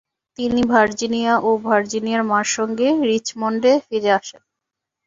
তিনি ভার্জিনিয়া ও ভার্জিনিয়ার মার সঙ্গে রিচমন্ডে ফিরে আসেন।